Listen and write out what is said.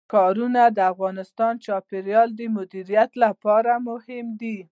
ښارونه د افغانستان د چاپیریال د مدیریت لپاره مهم دي.